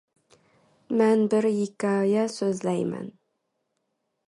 The Holyhead lifeboat station is on the island.